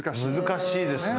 難しいですね。